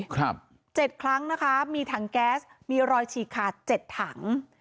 ครับเจ็ดครั้งนะคะมีถังแก๊สมีรอยฉีกขาดเจ็ดถัง